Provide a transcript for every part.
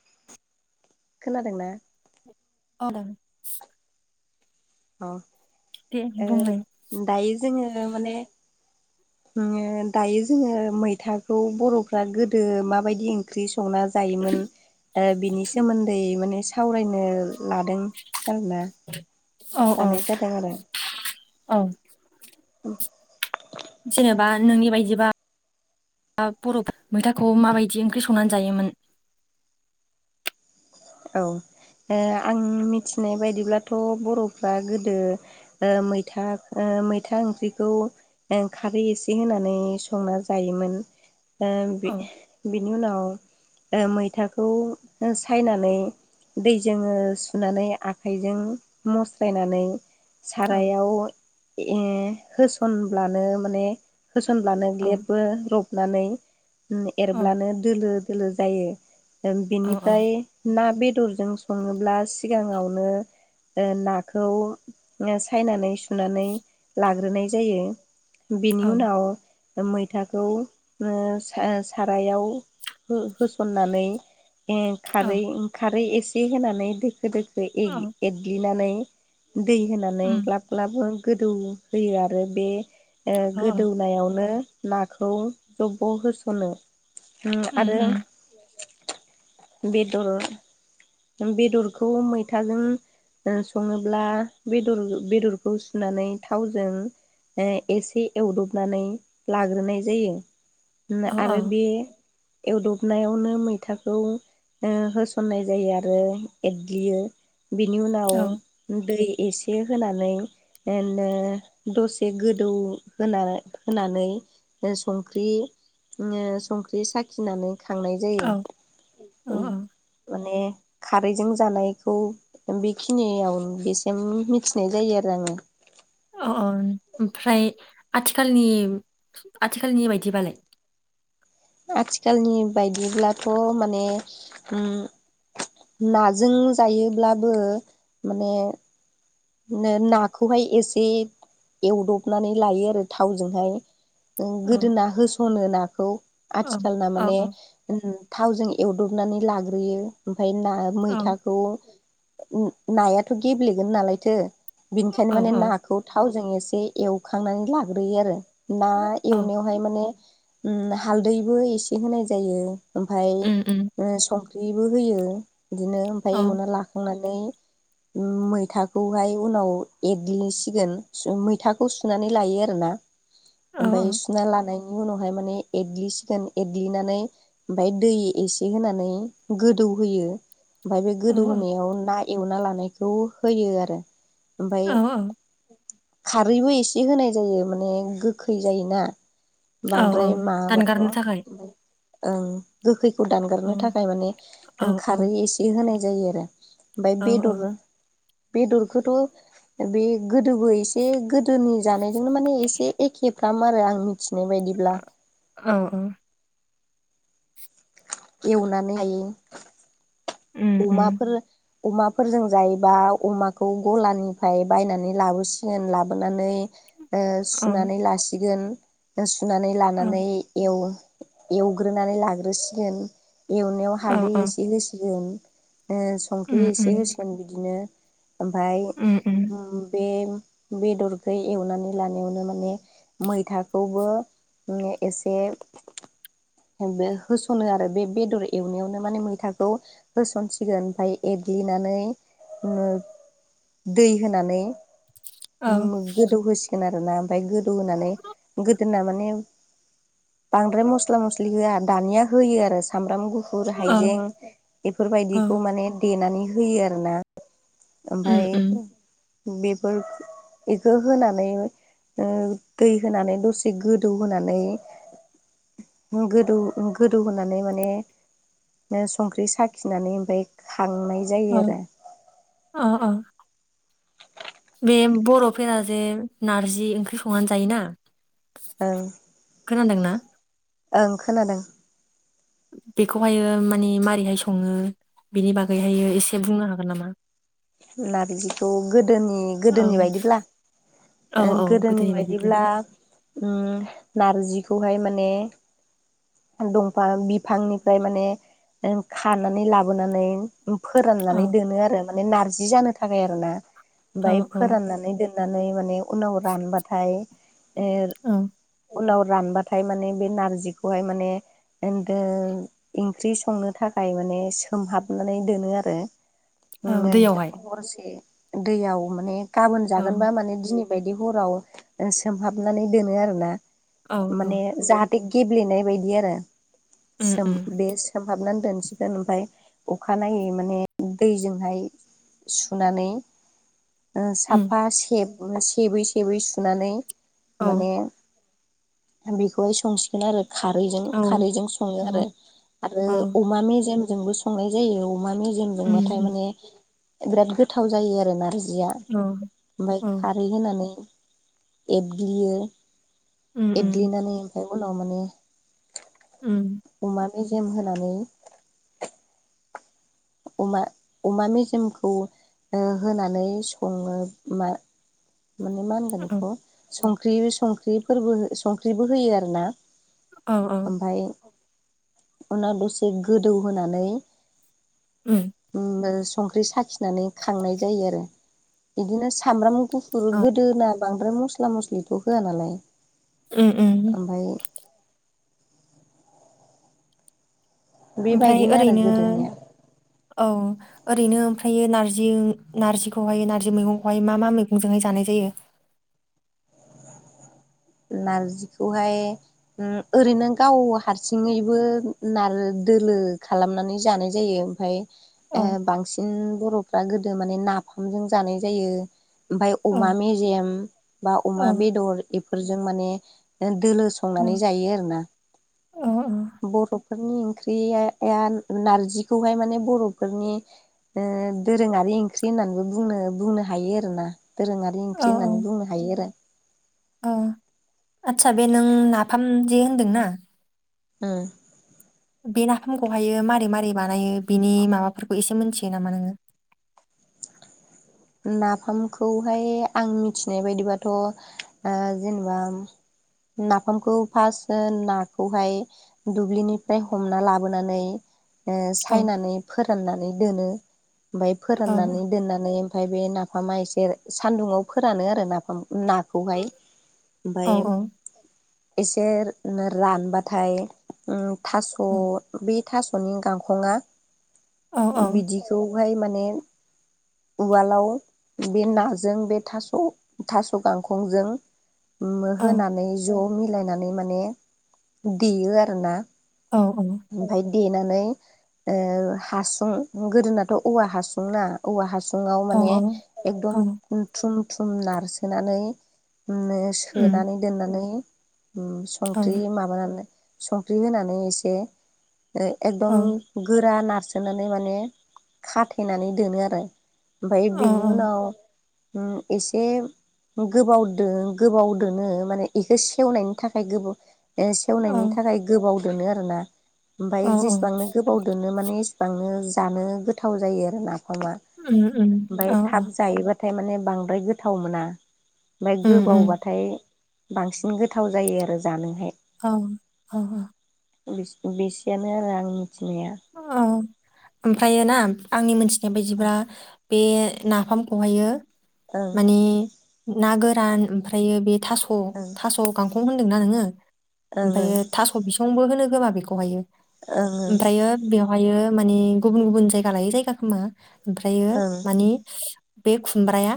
[inaudible] खोनादोंना? अ अ ओ बुंलाय दायो जोङो माने [unintelligible] दायो जोङो मैथा खौ बर'फ्रा गोदो माबायदि ओंख्रि स संना जायोमोन ओ बिनि सोमोनदै माने सावरायनो लादों। आरोना औ औ लानाय जादों आरो। औ। अ जेनेबा नोंनि बायदिबा। दा बर'फ्रा मैथाखौ माबायदि ओंख्रि संनानै जायोमोन? औ। ओ आं मिथिनाय बायदिब्लाथ' बर'फ्रा गोदो ओ मैथा ओ। मैथा ओंख्रिखौ ओ खारै इसे होनानै संना जायोमोन। ओ बि औ बिनि उनाव ओ मैथाखौ ओ सायनानै नै दैजोङो सुनानै आखाइजों मस्रायनानै औ सारायाव ए होस'नब्लानो माने होस'नब्लानो औ ग्लेबो र'बनानै औ एरब्लानो दोलो दोलो जायो औ बिनिफ्राय ना बेदरजों सङोब्ला सिगाङावनो ओ नाखौ सायनानै सुनानै लाग्रोनाय जायो। बिनि औ उनाव मैथाखौ ओ सा सारायाव हो होस'ननानै ए औ खारै ओं खारै एसे होनानै दोखो दोखो एग औ एदग्लिनानै दै होनानै उम ग्लाब ग्लाब गोदौ होयो आरो बे ओ औ औ गोदौनायावनो नाखौ जब' होस'नो। ओम उम आरो। उम बेदर बेदरखौ मैथाजों। ओ सङोब्ला बेदर बेदरखौ सुनानै थावजों ओ एसे एवदबनानै लाग्रोनाय जायो। औ आरो बे एवदबनायावनो मैथाखौ ओ होस'न्नाय जायो आरो एदग्लियो बेनि उनाव औ दै एसे होनानै ओ नो दसे गोदौ होना होनानै संख्रि नो संख्रि साखिनानै खांनाय जायो । अ अ। ने खारैजों जानायखौ बेखिनियाव बेसिम मिथिनाय जायो आरो ओम‌ अ अ ओमफ्राय आथिखालनि आथिखालनि बायदिबालाय? आथिखालनि बायदिब्लाथ' माने ओम। नाजों जायोब्लाबो माने। नो नाखौहाय एसे एवद'बनानै लायो आरो थावजोंहाय ओ औ गोदोना होस'नो नाखौ औ आथिखालना औ माने। थावजों एवदबनानै लाग्रोयो ओमफ्राय ना मैथाखौ ओम नायाथ' गेब्लेगोन नालायथो बिनिखायनो औ माने औ नाखौ थाव जों एसे एवखांनानै लाग्रोयो आरो ना औ एवनायावहाय माने ओम हालदैबो इसे होनाय जायो ओमफाय उम उम ओ संख ख्रिबो होयो बिदिनो ओमफाय औ एवना लाखांनानै ओम मैथा खौहाय उनाव एग्लिसिगोन सु मैथाखौ सुनानै लायो आरोना औ ओमफ्राय सुना लानाय नि उनाव एरग्लि सिगोन एरग्लिनानै ओमफाय दै एसे होनानै गोदौ गो गोदौ होयो ओमफ्राय बे औ गोदौ होनायाव ना एवना लानायखौ होयो आरो ओमफ्राय औ खारैबो एसे होनाय जायो माने गोखै जायोना औ औ बांद्राय माबाबाथ' दानगारनो थाखाय ओं गोखैखौ दानगारनो औ थाखाय माने औ खारै औ एसे होनाय जायो आरो ओमफ्राय औ बेदर बेदरखौथ' बे गोदोबो एसे गोदोनि जानायजोंनो माने एसे एखे फ्राम आरो आंनि औ औ एवनानै जायो उम उम अमाफोर अमाफोरजों जायोबा अमाखौ गलानिफ्राय बायनानै लाबोसिगोन लाबोनानै ओ औ सुनानै लासिगोन सुनानै औ लानानै एवो एवग्रोनानै लाग्रोसिगोन एवनायाव औ हालदै औ एसे होसिगोन संख्रि उम एसे उम होसिगोन बिदिनो ओमफाय उम उम बे बेदरखो एवनानै लानायावनो माने मैथाखौबो एसे बे होसनो आरो बे बेदर एवनायावनो माने मैथाखौ होसनसिगोन ओमफ्राय एर ग्लिनानै ओ दै होनानै औ गोदौ होसिगोन आरो ना ओमफ्राय गोदौ होनानै गोदोना माने बांद्राय मस्ला मस्लि होआ दानिया होयो आरो सामब्राम गु फुर औ हाइजें औ बेफोरबायदिखौ माने देनानै होयो आरोना ओमफ्राय उम उम बेफोर बेखौ होनानै ओ दै होनानै दसे गोदौ होनानै गोदौ गोदौ होनानै माने संख्रि साखिनानै ओमफ्राय खांनाय जायो औ आरो औ औ बे बर'फोराजे नारजि ओंख्रि संनानै जायोना औ खोनादोंना ओं खोनादों बेखौहायो माने मारैहाय सङो बेनि बागैहायो एसे बुंनो हागोन नामा? नारजिखौ गोदोनि गोदोनि औ बायदिब्ला गोदोनि बायदिब्ला उम नारजिखौहाय माने [inaudible] दंफां बिफांनिफ्राय माने खानानै लाबोनानै औ फोराननानै दोनो आरो माने नारजि जानो थाखाय आरो ना औ ओमफ्राय औ फोराननानै दो नानै उनाव रानबाथाइ औ उनाव रानबाथाय माने बे नारजिखौहाय माने ओनदो [unintelligible] ओंख्रि संनो थाखाय माने सोमहाबनानै दोनो आरो औ दैयावहाय हरसे दैयाव माने गाबोन औ जागोनबा माने दिनै बायदि हराव सोमहाबनानै दोनो आरोना औ माने औ जा गेब्लेनाय बायदि आरो उम सोम उम बे सोमहाबनानै दोनसिगोन ओमफ्राय अखानायनायै माने दैजोंहाय सुनानै उम साफा से सेबै सेबै सुनानै। औ माने बेखौहाय संसिगोन आरो खारैजों औ खारैजों सङो आरो आरो औ अमा मेजेमजोंबो संनाय जायो। अमा उम मेजेमजोंबाथाय उम माने एराद गोथाव जायो आरो नारजिया। जिया औ ओमफ्राय औ खारै होनानै एरग्लियो उम उम एग्लिनानै ओमफाय उनाव माने उम अमा मेजेम होनानै। अमा अमा मेजेमखौ ओ होनानै सङो मा माने मा होनगोन औ बेखौ संख्रि संख्रिफोरबो संख्रिबो होयो आरो ना। औ औ ओमफ्राय उनाव दसे गोदौ होनानै। उम ओ संख्रि साखिनानै खांनाय जायो आरो बिदिनो। सामब्राम गुफुर औ गोदोना बांद्राय मस्ला मस्लिखौ होया नालाय। ओम ओम ओमफ्राय ओमफ्राय बेबायदिनो आरो ओरैनो गोदोनिया औ ओरैनो ओमफ्राय नारजि नारजिखौहाय नारजि मैगंखौहाय मा मा मैगंजोंहाय जानाय। जायो। [inaudible] नारजिखौहाय ओरैनो ओ गाव हारसिङैबो नारजि। दोलो खालामनानै जानाय जायो ओमफ्राय औ ओ बांसिन बर'फ्रा गोदो माने नाफामजों जानाय जायो। ओमफ्राय औ अमा मिजेम बा औ अमा बेदर। फोरफोरजों माने दोलो औ संनानै जायो आरोना। औ बर'फोरनि ओंख्रिया नारजिखौहाय माने बर'फोरनि ओ दोरोङारि ओंख्रि होननानैबोनो बुंनो बुंनो हायो आरो ना दोरोङारि औ ओंख्रि होननानै बुंनो हायो आरो। औ आदसा बे नों नाफाम जे होनदोंना। ओम बे नाफामखौहायो मारै मारै बानायो बिनि माबाफोरखौ एसे मोनथियो नामा नोंथां? [inaudible] नाफामखौहाय आं मिथिनाय बायदिबाथ' ओ जेनेबा। नाफामखौ फार्स्ट नाखौहाय दुब्लिनिफ्राय हमना लाबोनानै। ओ औ सायनानै फोराननानै दोनो ओमफाय औ फोराननानै दोननानै। ओमफ्राय बे नाफामा एसे सानदुङाव फोरानो आरो नाफाम। नाखौहाय औ ओमफाय औ एसे रानबाथाय ओ थास' बे थास'नि गांखंआ औ औ बिदिखौहाय माने उवालाव बे नाजों बे थास' थास' गांखंजों। ओ होनानै ज' मिलायनानै माने देयो आरो ना। औ औ। देनानै हासुं ओ गोदोनाथ' औवा हासुंना औवा हासुं। सुङाव औ माने औ एकदम थुम थुम नारसोनानै। ओ उम सोनानै दोननानै। औ संख्रि माबानानै संख्रि होनानै एसे ओ औ एकदम गोरा नारसोनानै माने खाथेनानै दोनो आरो। ओमफ्राय औ औ बेनि उनाव एसे गोबाव दो गोबाव दोनो माने इखौ सेवनायनि थाखाय गोबाव सेवनायनि औ थाखाय गोबाव दोनो आरो ना ओमफाय औ औ जेसेबांनो गोबाव दोनो माने बांनो जानो गोथाव जायो आरो नाफामा उम उम औ ओमफ्राय औ थाब जायोबा थाय माने बांद्राय गोथाव मोना ओमफ्राय उम उम गोबावबाथाय बांसिन गोथाव जायो आरो जानोहाय औ औ औ बिस बिसेयानो आरो आं मिथिनाया औ ओमफ्रायो ना आंनि मोनथिनाय बायदिब्ला बे नाफामखौहायो ओं माने ना गोरान ओमफ्रायो बे थास' ओं गांखं गांखं होनदों ना नोंडो ओमफ्राय ओं थासंबो होनो गोबा बेखौहायो ओं ओं बेयो माने गुबुन गुबुन जायगा लायै जायगा खोमा ओमफ्रायो ओं ओं माने बे खुमब्राया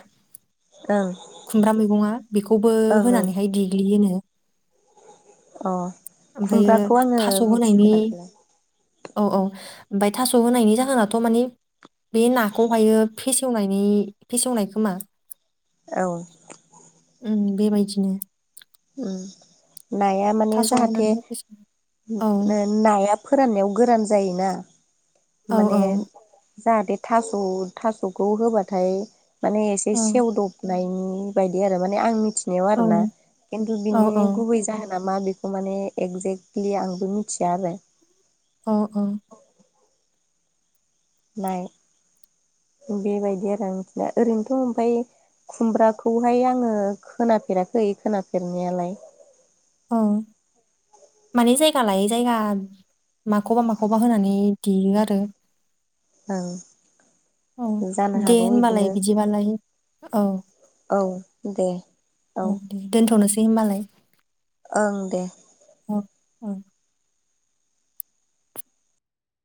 ओं खुमब्रा मैगङा बेखौबो ओं होनानैहाय देग्लियोनो अ ओमफ्रायो खुमब्राखौ आङो थास' होनायनि मिथिफेराखैलाय औ औ ओमफ्राय थास' होनायनि जाहोनाथ' माने बे नाखौहायो फेसेवनायनि फेसेवनाय खोमा औ उम बेबायदिनो उम नाया माने थास' जाहाथे होनानै फेसेव औ नाया फोराननायाव गोरान जायोना औ माने जाहाथे थास' थास'खौ होबाथाय माने एसे औ सेवदब नायनि बायदि आरो माने आं मिथिनायाव आरोना खिन्थु औ बिनि गुबै जाहोन ना मा बेखौ माने एक्जेक्टलि आंबो मिथिया आरो औ औ नाय बेबायदि आरो आंथिना ओरैनोथ' ओमफ्राय खुमब्राखौहाय आङो खोनाफेराखै खोनाफेरनायालाय औ माने जायगा लायै जायगा माखौबा माखौबा होनानै देयो आरो औ औ दे होनबालाय बिदिबालाय औ औ दे औ दे दोनथ'नोसै होनबालाय ओं दे औ औ